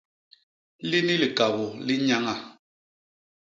Lini likabô li nnyaña.